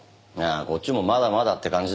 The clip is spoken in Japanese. こっちもまだまだって感じだよ。